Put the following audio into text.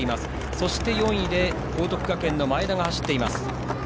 そして４位で報徳学園の前田が走っています。